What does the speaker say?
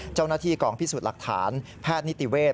เจ้าหน้าที่กองพิสูจน์หลักฐานแพทย์นิติเวศ